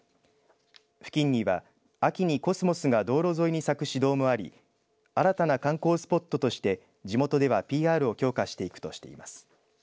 付近には秋にコスモスが道路沿いに咲く市道もあり新たな観光スポットとして地元ではＰＲを強化していくとしています。